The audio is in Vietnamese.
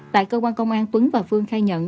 tại cơ quan công an tuấn và phương khai nhận